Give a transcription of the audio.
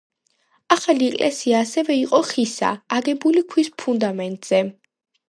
ახალი ეკლესია ასევე იყო ხისა, აგებული ქვის ფუნდამენტზე.